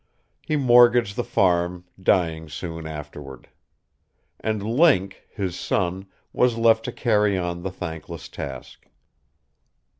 He mortgaged the farm, dying soon afterward. And Link, his son, was left to carry on the thankless task.